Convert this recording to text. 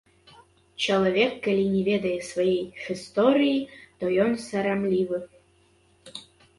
Чалавек, калі не ведае сваёй гісторыі, то ён сарамлівы.